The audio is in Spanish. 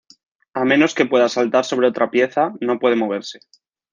A menos que pueda saltar sobre otra pieza, no puede moverse.